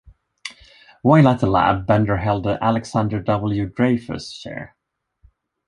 While at the lab, Bender held the Alexander W. Dreyfoos Chair.